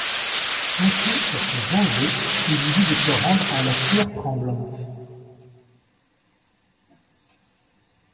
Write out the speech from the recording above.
Ainsi, pour se venger, il lui dit de se rendre à la pierre tremblante.